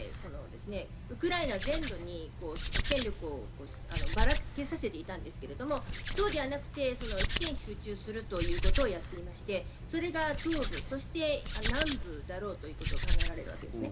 このために今までウクライナ全土に戦力をばらけさせていたんですけれども、そうではなく、１点に集中するということをやっていまして、それが東部、そして南部だろうということが考えられます。